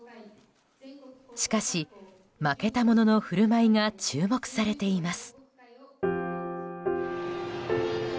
しかし、負けた者の振る舞いが注目されています。